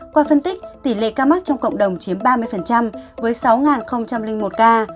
qua phân tích tỷ lệ ca mắc trong cộng đồng chiếm ba mươi với sáu một ca